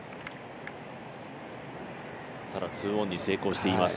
ただ、２オンに成功しています